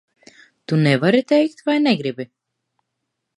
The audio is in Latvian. Tu nevari teikt vai negribi?